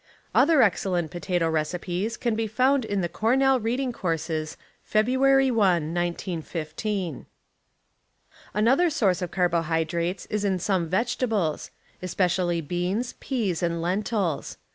Other excellent potato recipes can be found in The Cornell Reading Courses, Feb. 1, 1915. .^,, Another source of carbohydrates is in some Larbony ,. vegetables, especially beans, peas and lentils.